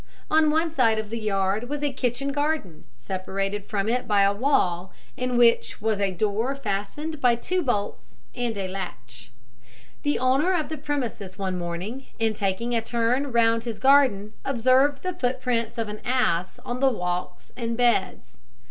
On one side of the yard was a kitchen garden, separated from it by a wall, in which was a door fastened by two bolts and a latch. The owner of the premises one morning, in taking a turn round his garden, observed the footprints of an ass on the walks and beds.